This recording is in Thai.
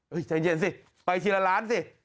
ใจเย็นสิไปทีละล้านสิ